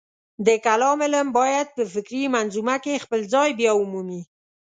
د کلام علم باید په فکري منظومه کې خپل ځای بیامومي.